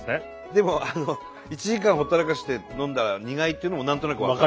でも１時間ほったらかして飲んだら苦いっていうのも何となく分かる。